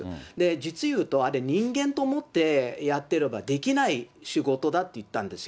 実をいうと、あれ、人間と思ってやってればできない仕事だと言ったんですよ。